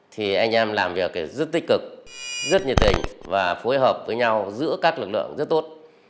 thì anh em làm việc rất tích cực rất nhiệt tình và phối hợp với nhau giữa các lực lượng rất tốt